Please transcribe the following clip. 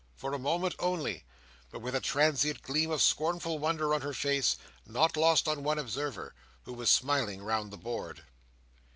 For a moment only; but with a transient gleam of scornful wonder on her face, not lost on one observer, who was smiling round the board.